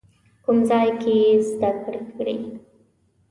کوم ځای کې یې زده کړې کړي؟